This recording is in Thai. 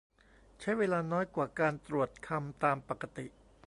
ใช้เวลาน้อยกว่าการตรวจคำตามปกติ